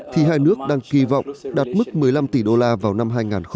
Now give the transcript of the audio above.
thì hai nước đang kỳ vọng đạt mức một mươi năm tỷ đô la vào năm hai nghìn hai mươi